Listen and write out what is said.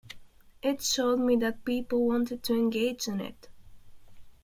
It showed me that people wanted to engage in it.